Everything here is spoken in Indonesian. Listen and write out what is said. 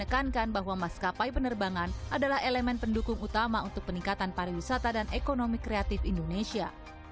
menekankan bahwa maskapai penerbangan adalah elemen pendukung utama untuk peningkatan pariwisata dan ekonomi kreatif indonesia